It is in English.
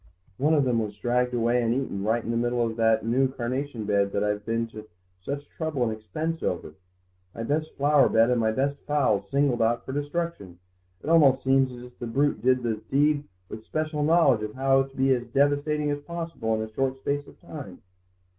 One of them was dragged away and eaten right in the middle of that new carnation bed that I've been to such trouble and expense over. My best flower bed and my best fowls singled out for destruction; it almost seems as if the brute that did the deed had special knowledge how to be as devastating as possible in a short space of time."